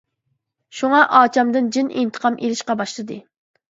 شۇڭا ئاچامدىن جىن ئىنتىقام ئىلىشقا باشلىدى.